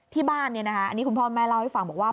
ที่บ้านอันนี้คุณพ่อแม่เล่าให้ฟังบอกว่า